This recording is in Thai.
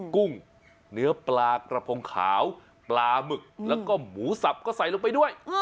กุ้งเนื้อปลากระโพงขาวปลามึกและก็หมูสัพดูแล้ว